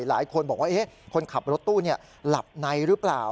หลายคนบอกว่าคนขับรถตู้หลับในหรือเปล่า